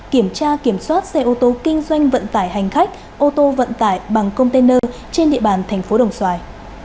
kiểm tra kiểm soát xe ô tô kinh doanh vận tải hành khách ô tô vận tải bằng container trên địa bàn thành phố đồng xoài